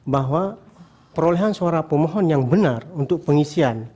bahwa perolehan suara pemohon yang benar untuk pengisian